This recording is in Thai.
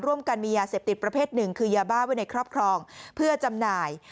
ร่วมกันมียาเสพติดประเภทหนึ่งคือยาบ้าไว้ในครอบครองเพื่อจำหน่าย